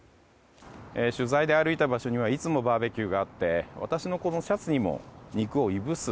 取材で歩いた場所にはいつもバーベキューがあって私のこのシャツにも肉をいぶす